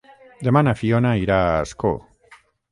Demà na Fiona irà a Ascó.